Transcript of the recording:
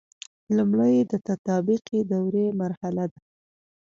لمړی د تطابقي دورې مرحله ده.